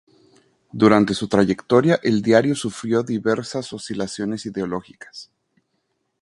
Durante su trayectoria el diario sufrió diversas oscilaciones ideológicas.